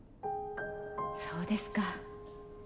そうですか。